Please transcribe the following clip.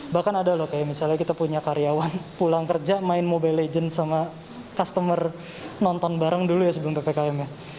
bahkan ada loh kayak misalnya kita punya karyawan pulang kerja main mobile legends sama customer nonton bareng dulu ya sebelum ppkm nya